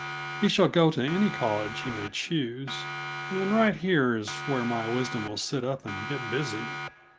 He shall go to any college he may choose and right here is where my wisdom will sit up and get busy.